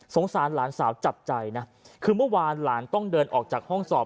สารหลานสาวจับใจนะคือเมื่อวานหลานต้องเดินออกจากห้องสอบ